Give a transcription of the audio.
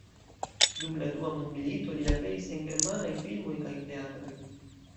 Dum la Dua mondmilito li aperis en germanaj filmoj kaj teatroj.